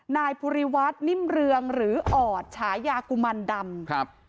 นายพุรีวัฒนิ่มเรืองหรือออดฉายากุมารดำ